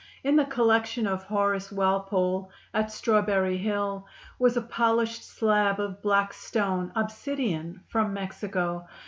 In the collection of Horace Walpole, at Strawberry Hill, was a polished slab of black stone, obsidian, from Mexico.